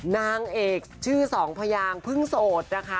นางเอกชื่อสองพยางเพิ่งโสดนะคะ